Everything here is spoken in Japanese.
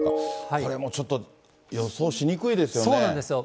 これもちょっと予想しにくいですそうなんですよ。